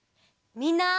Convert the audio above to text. みんな。